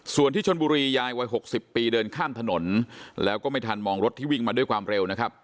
ส่วนที่ชนบุรียายวัย๖๐ปีเดินข้ามถนนแล้วก็ไม่ทันมองรถที่วิ่งมาด้วยความเร็วนะครับ